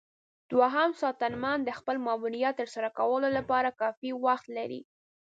دوهم ساتنمن د خپل ماموریت ترسره کولو لپاره کافي وخت لري.